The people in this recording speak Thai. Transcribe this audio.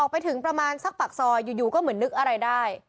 ไปถึงประมาณสักปากซอยอยู่ก็เหมือนนึกอะไรได้